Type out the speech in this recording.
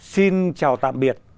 xin chào tạm biệt